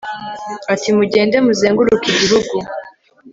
ati mugende muzenguruke igihugu